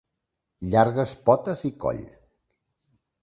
Llargues potes i coll.